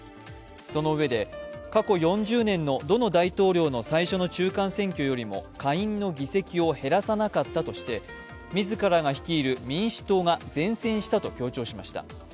そのうえで過去４０年のどの大統領の中間選挙よりも下院の議席を減らさなかったとして自らが率いる民主党が善戦したと強調しました。